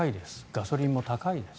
ガソリンも高いです。